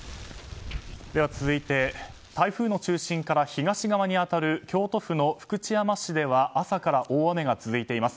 続いて、台風の中心から東側に当たる京都府の福知山市では朝から大雨が続いています。